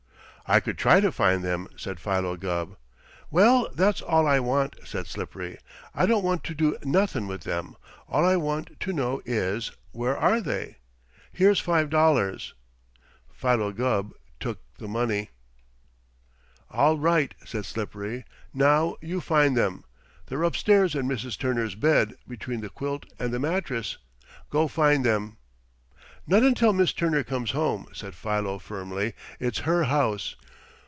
"I could try to find them," said Philo Gubb. "Well, that's all I want," said Slippery. "I don't want to do nothin' with them. All I want to know is where are they? Here's five dollars." Philo Gubb took the money. "All right," said Slippery, "now, you find them. They're upstairs in Mrs. Turner's bed, between the quilt and the mattress. Go find them." "Not until Miss Turner comes home," said Philo firmly. "It's her house."